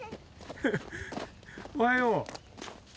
おはよう。